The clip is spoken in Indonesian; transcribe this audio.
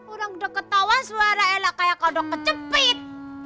orang udah ketawa suara ela kayak kodok kecepit